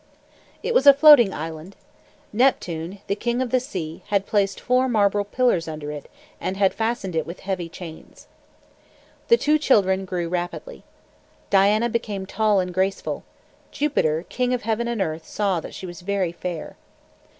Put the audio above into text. It was a floating island. Neptune, the king of the sea, had placed four marble pillars under it, and had fastened it with heavy chains. The two children grew rapidly. Diana became tall and graceful. Jupiter, king of heaven and earth, saw that she was very fair.